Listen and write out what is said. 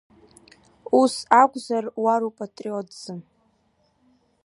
Ус акәзар уар упатриотӡам…